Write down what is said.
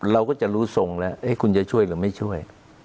เราก็จะรู้ทรงแล้วคุณจะช่วยหรือไม่ช่วย